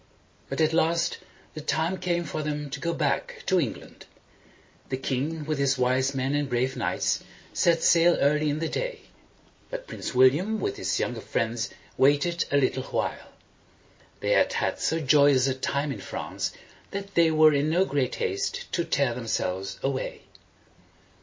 But at last the time came for them to go back to England. The king, with his wise men and brave knights, set sail early in the day; but Prince William with his younger friends waited a little while. They had had so joyous a time in France that they were in no great haste to tear them selves away.